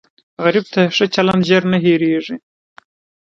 غریب ته ښه چلند زر نه هېریږي